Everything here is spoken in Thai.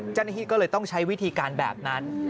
จริงก็เลยต้องใช้วิธีการแบบนั้น